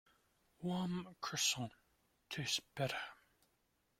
Warm Croissant tastes better.